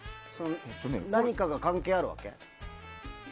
何かが関係あるわけ？